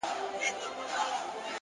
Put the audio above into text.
وخت د ژمنتیا کچه څرګندوي!